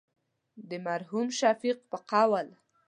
د مرحوم شفیق په قول.